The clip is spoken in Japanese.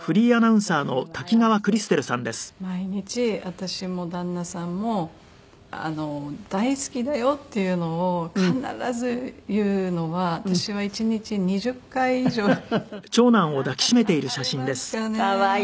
毎日私も旦那さんも「大好きだよ」っていうのを必ず言うのは私は１日２０回以上言ってますかね。